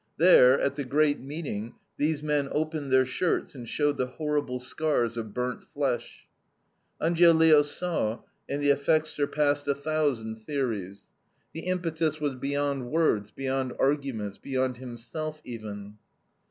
There, at the great meeting, these men opened their shirts and showed the horrible scars of burned flesh. Angiolillo saw, and the effect surpassed a thousand theories; the impetus was beyond words, beyond arguments, beyond himself even.